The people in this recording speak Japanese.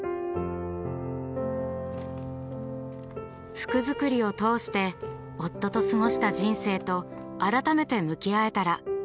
「服づくりを通して夫と過ごした人生と改めて向き合えたら」。